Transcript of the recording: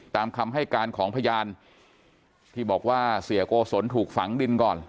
ตามคำให้การของพยานที่บอกว่าเสียโกศลถูกฝังดินก่อน